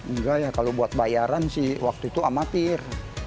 enggak ya kalau buat bayaran sih waktu itu amatir